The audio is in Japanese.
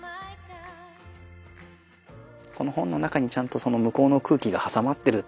この本の中にちゃんとその向こうの空気が挟まってる。